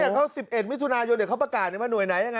เขา๑๑มิถุนายนเขาประกาศมาหน่วยไหน